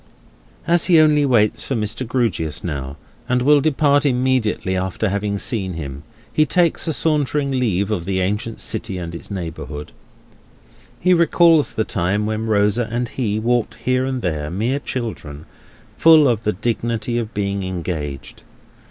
As he only waits for Mr. Grewgious now, and will depart immediately after having seen him, he takes a sauntering leave of the ancient city and its neighbourhood. He recalls the time when Rosa and he walked here or there, mere children, full of the dignity of being engaged.